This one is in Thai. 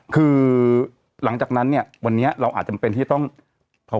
คือหลังจากนั้นเนี่ยวันนี้เราอาจจะจำเป็นที่ต้องพอ